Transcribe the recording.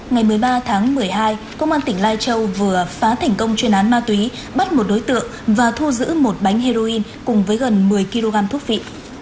ngày một mươi ba tháng một mươi hai công an tỉnh lai châu vừa phá thành công chuyên án ma túy bắt một đối tượng và thu giữ một bánh heroin cùng với gần một mươi kg thuốc vị